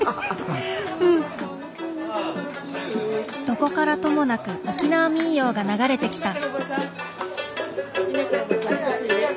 ・どこからともなく沖縄民謡が流れてきた。